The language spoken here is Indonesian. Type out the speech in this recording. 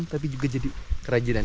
tapi juga jadi kerajinan